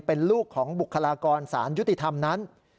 เป็นลูกของบุคลากรสารยุติธรรมนั้น